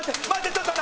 ちょっと！